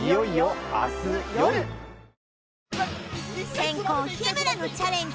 先攻・日村のチャレンジ